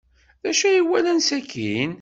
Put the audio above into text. D acu ay walan sakkin?